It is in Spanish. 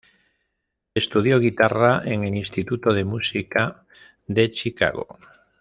Estudió guitarra en el Instituto de Música de Chicago.